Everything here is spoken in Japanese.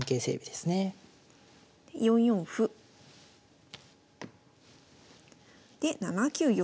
で４四歩。で７九玉。